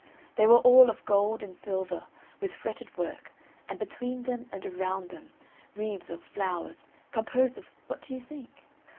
They were all of gold and silver, with fretted work, and between them and around them, wreaths of flowers, composed of what do you think?